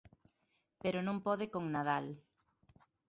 Pero non pode con Nadal.